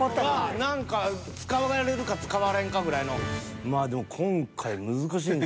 何か使われるか使われんかぐらいのあれ？